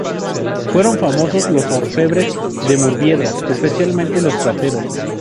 Fueron famosos los orfebres de Murviedro, especialmente los plateros.